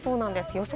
予想